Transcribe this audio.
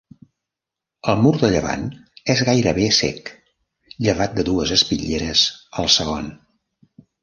El mur de llevant és gairebé cec llevat de dues espitlleres al segon.